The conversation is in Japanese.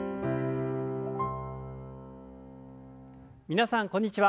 皆さんこんにちは。